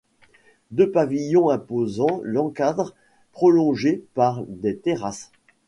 Deux pavillons imposants l’encadrent, prolongés par des terrasses.